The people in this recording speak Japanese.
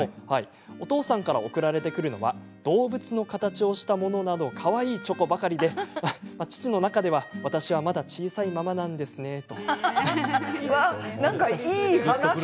お父さんから贈られてくるのは動物の形をしたものなどかわいいチョコばかりで父の中では私はまだ小さいままなんですねとおっしゃっていました。